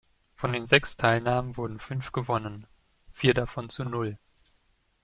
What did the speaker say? Von den sechs Teilnahmen wurden fünf gewonnen, vier davon zu null.